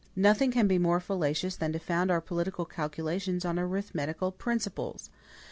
Nothing can be more fallacious than to found our political calculations on arithmetical principles.